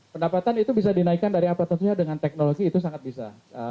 pendapatan itu bisa dinaikkan dari apa tentunya dengan teknologi itu sangat bisa